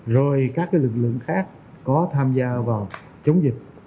rồi các lực lượng khác có tham gia vào chống dịch